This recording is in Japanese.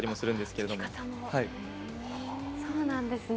そうなんですね。